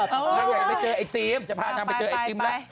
ถ้าอยากจะไปเจอไอติมจะพานางไปเจอไอติมแล้ว